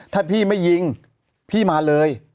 ถ้าพี่ไม่ยิงพี่มาเลย